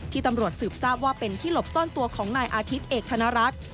ตำรวจสืบทราบว่าเป็นที่หลบซ่อนตัวของนายอาทิตย์เอกธนรัฐ